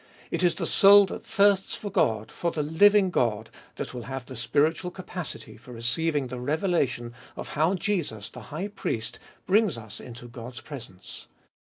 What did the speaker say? It is the soul that thirsts for God, for the living God, that will have the spiritual capacity for receiving the revelation of how Jesus, the High Priest, brings us into God's presence.